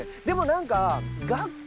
でも何か。